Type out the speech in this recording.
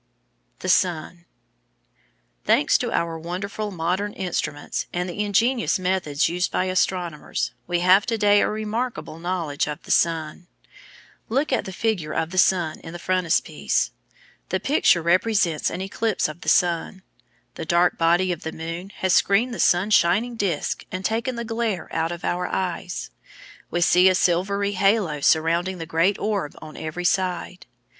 The Sun Thanks to our wonderful modern instruments and the ingenious methods used by astronomers, we have to day a remarkable knowledge of the sun. Look at the figure of the sun in the frontispiece. The picture represents an eclipse of the sun; the dark body of the moon has screened the sun's shining disc and taken the glare out of our eyes; we see a silvery halo surrounding the great orb on every side.